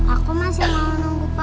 aku masih mau nunggu pak